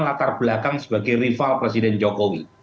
latar belakang sebagai rival presiden jokowi